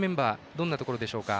どんなところでしょうか？